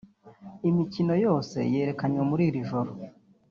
Imikino yose yerekanywe muri iri joro